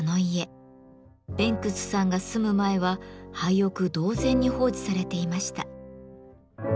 ベンクスさんが住む前は廃屋同然に放置されていました。